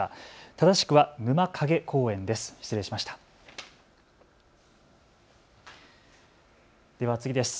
正しくは沼影公園です。